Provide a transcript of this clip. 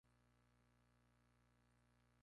La sede de la parroquia es Cameron.